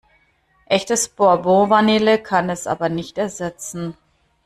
Echtes Bourbon-Vanille kann es aber nicht ersetzen.